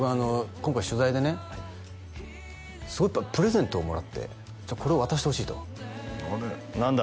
今回取材でねすごいいっぱいプレゼントをもらってこれを渡してほしいと何だ？